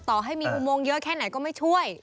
ต่อให้มีอุโมงเยอะแค่ไหนก็ไม่ช่วย